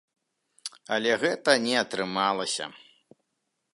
Але гэта не атрымалася.